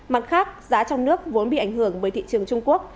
mặt khác giá trong nước vốn bị ảnh hưởng bởi thị trường trung quốc